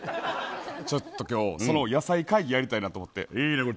ちょっと今日、その野菜会議をやりたいなと思って。